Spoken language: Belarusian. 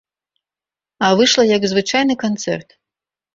А выйшла, як звычайны канцэрт.